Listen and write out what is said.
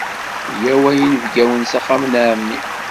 Yyaw a yinebgawen s axxam n ɛemmi!